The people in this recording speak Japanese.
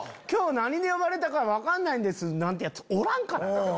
何で呼ばれたか分かんないんですなんていうヤツおらんから。